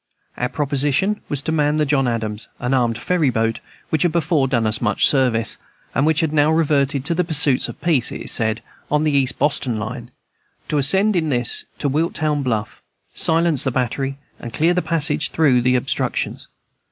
Our proposition was to man the John Adams, an armed ferry boat, which had before done us much service, and which has now reverted to the pursuits of peace, it is said, on the East Boston line, to ascend in this to Wiltown Bluff, silence the battery, and clear a passage through the obstructions.